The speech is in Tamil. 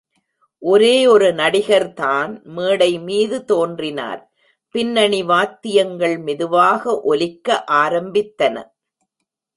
ஒரே ஒரு நடிகர் தான் மேடைமீது தோன்றினார், பின்னணி வாத்தியங்கள் மெதுவாக ஒலிக்க ஆரம்பித்தன.